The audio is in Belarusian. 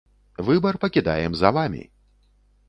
Выбар пакідаем за вамі!